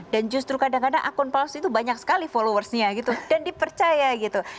dan justru kadang kadang akun palsu itu banyak sekali followersnya gitu dan dipercaya gitu